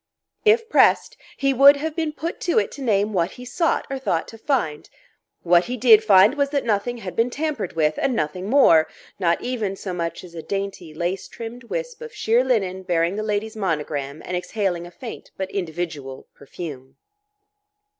If pressed, he would have been put to it to name what he sought or thought to find. What he did find was that nothing had been tampered with and nothing more not even so much as a dainty, lace trimmed wisp of sheer linen bearing the lady's monogram and exhaling a faint but individual perfume.